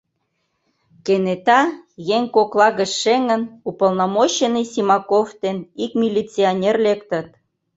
Кенета, еҥ кокла гыч шеҥын, уполномоченный Симаков ден ик милиционер лектыт.